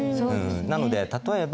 なので例えば